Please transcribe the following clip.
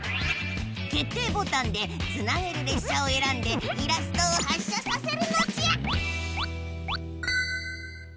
決定ボタンでつなげる列車をえらんでイラストを発車させるのじゃ！